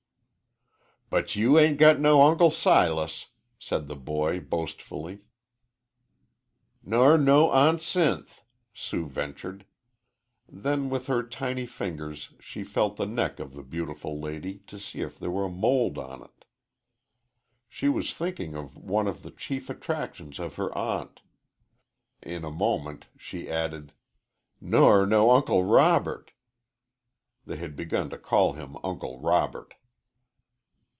"But you'ain't got no Uncle Silas," said the boy, boastfully. "Ner no Aunt Sinth," Sue ventured. Then, with her tiny fingers, she felt the neck of "the beautiful lady" to see if there were a "mold" on it. She was thinking of one of the chief attractions of her aunt. In a moment she added, "Ner no Uncle Robert." They had begun to call him Uncle Robert.